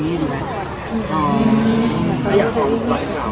อเรนนี่อยากขอบคุณจ่ายขอบคุณแม่ล่ะว่ายังไงบ้าง